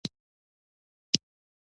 په خاوره کې د بدن سکون دی.